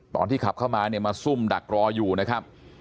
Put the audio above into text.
ตอนที่ขับเข้ามาเนี่ยมาซุ่มดักรออยู่นะครับ